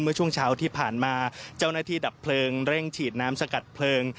เมื่อช่วงเช้าที่ผ่านมาเจ้าหน้าที่ดับเพลิงเร่งฉีดน้ำสกัดเพลิง